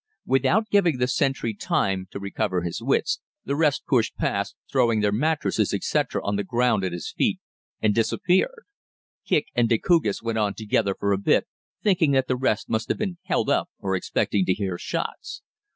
Without giving the sentry time to recover his wits, the rest pushed past, throwing their mattresses, etc., on the ground at his feet, and disappeared. Kicq and Decugis went on together for a bit, thinking that the rest must have been held up and expecting to hear shots.